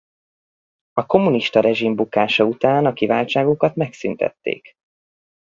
A kommunista rezsim bukása után a kiváltságokat megszüntették.